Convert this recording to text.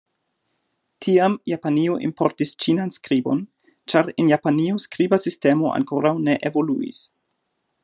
Tiam Japanio importis Ĉinan skribon, ĉar en Japanio skriba sistemo ankoraŭ ne evoluis.